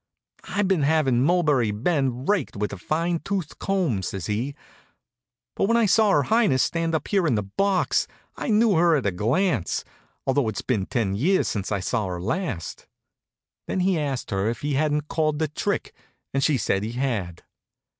"I've been having Mulberry Bend raked with a fine toothed comb," says he, "but when I saw her highness stand up here in the box I knew her at a glance, although it's been ten years since I saw her last." Then he asked her if he hadn't called the trick, and she said he had.